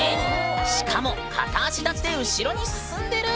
しかも片足立ちで後ろに進んでる！